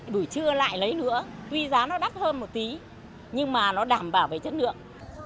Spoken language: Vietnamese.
buổi trưa lại lấy nữa tuy giá nó đắt hơn một tí nhưng mà nó đảm bảo về chất lượng